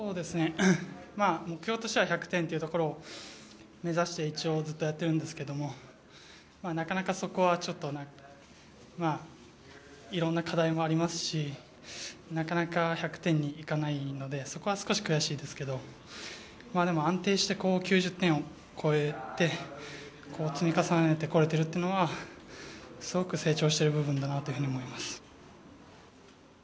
目標としては１００点を目指して一応ずっとやってるんですけどなかなか、そこはいろんな課題もありますしなかなか１００点にいかないのでそこは少し悔しいですけどでも、安定して９０点を超えて積み重ねてこれているというのはすごく成長している部分だなと思います。